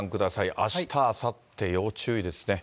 あした、あさって、要注意ですね。